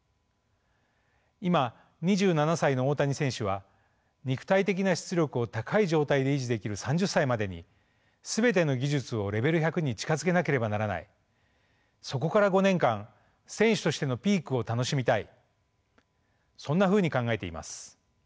今２７歳の大谷選手は肉体的な出力を高い状態で維持できる３０歳までに全ての技術をレベル１００に近づけなければならないそこから５年間選手としてのピークを楽しみたいそんなふうに考えています。